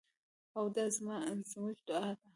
او دا زموږ دعا ده.